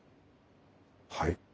はい。